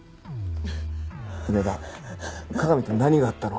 梅ばあ加賀美と何があったの？